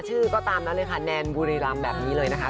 ชื่อก็ตามนั้นเลยค่ะแนนบุรีรำแบบนี้เลยนะคะ